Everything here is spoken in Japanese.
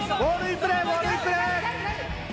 ボールインプレー。